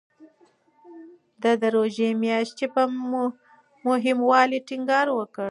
ده د روژې میاشتې په مهموالي ټینګار وکړ.